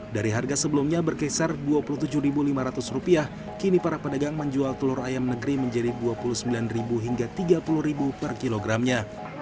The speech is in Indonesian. dari harga sebelumnya berkisar rp dua puluh tujuh lima ratus kini para pedagang menjual telur ayam negeri menjadi rp dua puluh sembilan hingga rp tiga puluh per kilogramnya